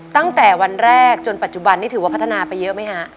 ตั้งแต่วันแรกจนปัจจุบันนี้ถือว่าพัฒนาไปเยอะไหมฮะ